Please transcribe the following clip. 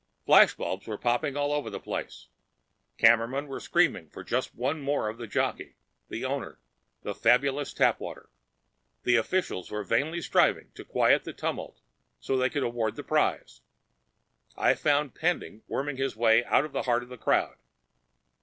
Flashbulbs were popping all over the place, cameramen were screaming for just one more of the jockey, the owner, the fabulous Tapwater. The officials were vainly striving to quiet the tumult so they could award the prize. I found Pending worming his way out of the heart of the crowd.